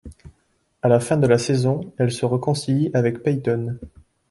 À la fin de la saison, elle se réconcilie avec Peyton..